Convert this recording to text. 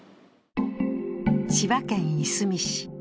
千葉県いすみ市。